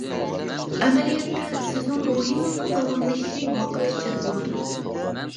ئەمەلىيەتتە، سىزنىڭ روھىڭىزنىڭ داۋاملىشىشى ۋاقىت ئىچىدە بولىدۇ.